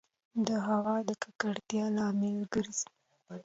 د هــوا د ککــړتـيـا لامـل ګـرځـي